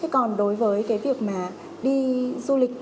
còn đối với việc đi du lịch